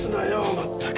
まったく。